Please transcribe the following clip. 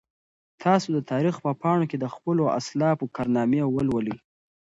تاسو د تاریخ په پاڼو کې د خپلو اسلافو کارنامې ولولئ.